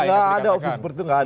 nggak ada opsi seperti itu